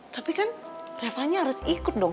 tapi kan reva nya harus ikut dong